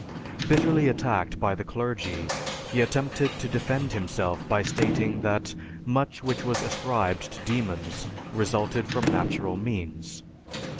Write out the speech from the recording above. Bitterly attacked by the clergy, he attempted to defend himself by stating that much which was ascribed to demons resulted from natural means.